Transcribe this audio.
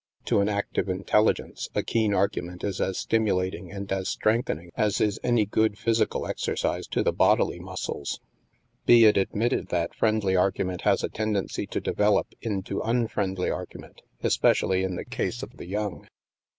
To an active intelligence, a keen argument is as stimulating and as strengthening as is any good physical exercise to the bodily muscles. Be it ad STILL WATERS 49 mitted that friendly argument has a tendency to develop into unfriendly argument, especially in the case of the young.